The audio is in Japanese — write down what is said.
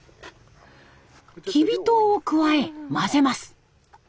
キビ糖を加え混ぜます。